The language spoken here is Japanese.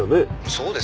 「そうです」